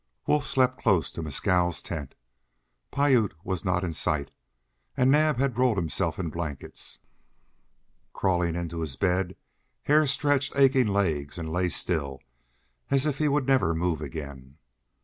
Wolf slept close to Mescal's tent; Piute was not in sight; and Naab had rolled himself in blankets. Crawling into his bed, Hare stretched aching legs and lay still, as if he would never move again.